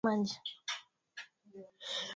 Tumia takriban dakika nnetanokupika